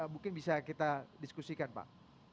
mungkin bisa kita diskusikan pak